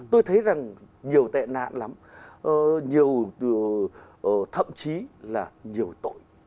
tôi thấy rằng nhiều tệ nạn lắm nhiều thậm chí là nhiều tội